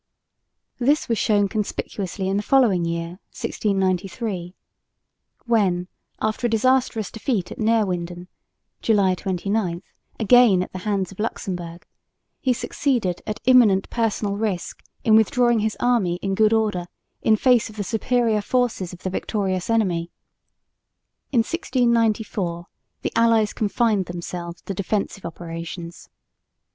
This was shown conspicuously in the following year (1693), when, after a disastrous defeat at Neerwinden (July 29), again at the hands of Luxemburg, he succeeded at imminent personal risk in withdrawing his army in good order in face of the superior forces of the victorious enemy. In 1694 the allies confined themselves to defensive operations.